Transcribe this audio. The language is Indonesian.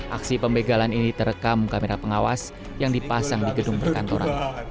aksi pembegalan ini terekam kamera pengawas yang dipasang di gedung perkantoran